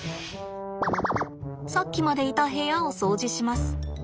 さっきまでいた部屋を掃除します。